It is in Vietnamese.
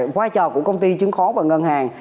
quá trò của công ty chứng khó và ngân hàng